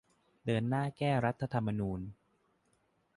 เดินหน้าแก้รัฐธรรมนูญ